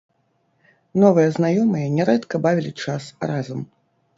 Новыя знаёмыя нярэдка бавілі час разам.